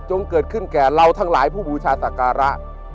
เกิดขึ้นแก่เราทั้งหลายผู้บูชาศักระ